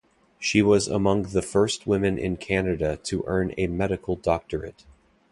She was among the first women in Canada to earn a medical doctorate.